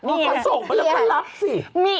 เขาส่งมาแล้วเขารับสิ